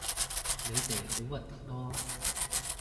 你哋好核突囉